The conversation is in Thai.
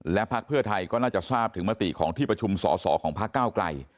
และพักเพื่อไทยก็น่าจะทราบถึงมติของที่ประชุมสอสอของพักเก้าไกล